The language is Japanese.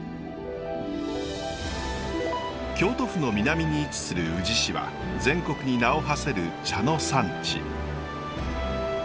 京都府の南に位置する宇治市は全国に名をはせる茶の産地。